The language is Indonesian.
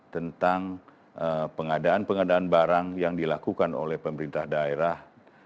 tentang pengadaan pengadaan barang yang dilakukan oleh pemerintah daerah